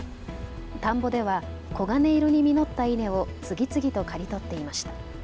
田んぼでは黄金色に実った稲を次々と刈り取っていました。